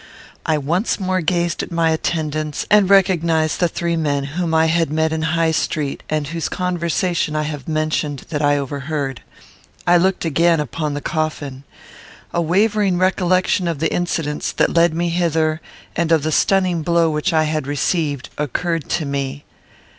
I once more gazed at my attendants, and recognised the three men whom I had met in High Street, and whose conversation I have mentioned that I overheard. I looked again upon the coffin. A wavering recollection of the incidents that led me hither, and of the stunning blow which I had received, occurred to me.